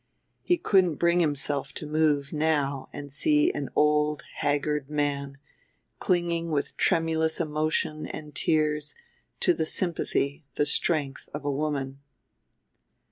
He couldn't bring himself to move now and see an old haggard man clinging with tremulous emotion and tears to the sympathy, the strength, of a woman.